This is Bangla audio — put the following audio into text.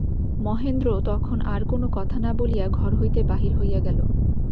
মহেন্দ্র তখন আর-কোনো কথা না বলিয়া ঘর হইতে বাহির হইয়া গেল।